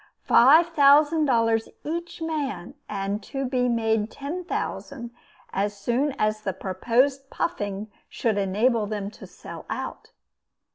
Five thousand dollars each man, and to be made ten thousand, as soon as the proposed puffing should enable them to sell out.